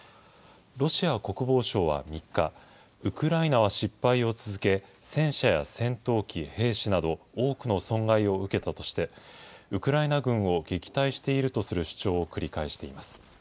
ロシア国防省は３日、ウクライナは失敗を続け、戦車や戦闘機、兵士など多くの損害を受けたとして、ウクライナ軍を撃退しているとする主張を繰り返しています。